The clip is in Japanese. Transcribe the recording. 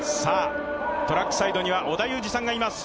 トラックサイドには織田裕二さんがいます。